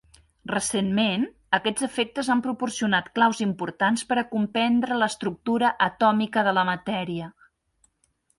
Recentment, aquests efectes han proporcionat claus importants per a comprendre l'estructura atòmica de la matèria.